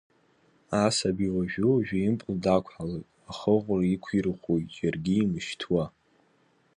Асаби уажәы-уажәы импыл дақәҳалоит, ахыӷәра иқәирӷәӷәоит, џьаргьы имышьҭуа.